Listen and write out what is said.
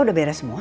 udah beres semua